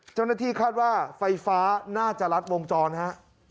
เจ้าหน้าที่คาดว่าไฟฟ้าน่าจะรัดวงจรฮะ